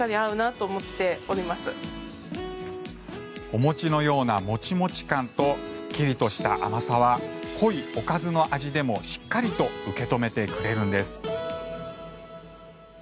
お餅のようなモチモチ感とすっきりとした甘さは濃いおかずの味でもしっかりと受け止めてくれるんです。